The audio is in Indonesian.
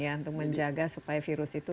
ya untuk menjaga supaya virus itu